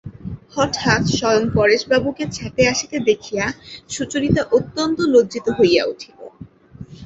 হঠাৎ স্বয়ং পরেশবাবুকে ছাতে আসিতে দেখিয়া সুচরিতা অত্যন্ত লজ্জিত হইয়া উঠিল।